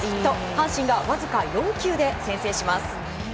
阪神がわずか４球で先制します。